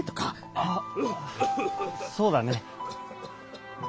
あっそうだね。